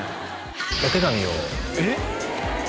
お手紙をえっ！？